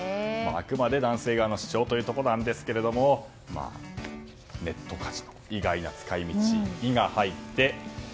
あくまで男性側の主張ということなんですがネットカジノ、意外な使い道「イ」が入って。